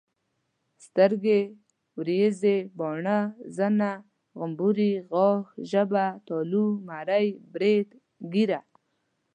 سترګي ، وريزي، باڼه، زنه، غمبوري، غاښ، ژبه ،تالو، مرۍ، بريت، ګيره